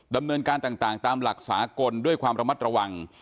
ดำเนินการต่างตามหลักสากลด้วยความระมัดระวัง